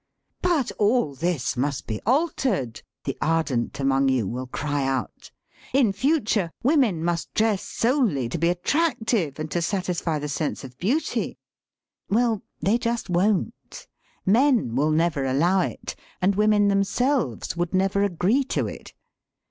"But all this must be altered!" the ardent among you will cry out. *'In future women must dress solely to be attractive and to satisfy the sense of beauty." Well, they just won't. Men will never allow it, and women themselves would never agree to it.